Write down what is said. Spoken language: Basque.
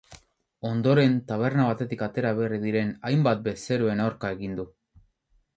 Ondoren, taberna batetik atera berri diren hainbat bezeroen aurka egin du.